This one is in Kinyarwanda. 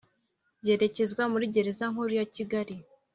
yerekezwa muri gereza nkuru ya kigali